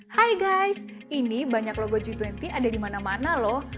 hai guys ini banyak logo g dua puluh ada di mana mana loh